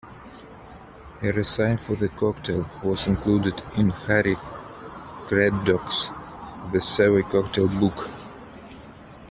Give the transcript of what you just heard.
A recipe for the cocktail was included in Harry Craddock's "The Savoy Cocktail Book".